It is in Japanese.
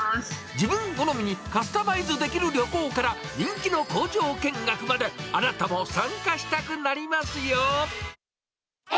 自分好みにカスタマイズできる旅行から、人気の工場見学まで、あなたも参加したくなりますよ。